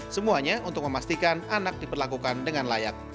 semuanya untuk memastikan anak diperlakukan dengan layak